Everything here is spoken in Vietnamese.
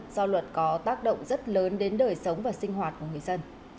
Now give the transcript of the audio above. do luật có tác động rất lớn đến đời sống và sinh hoạt của người dân